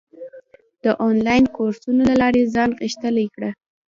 د انلاین کورسونو له لارې ځان غښتلی کړه.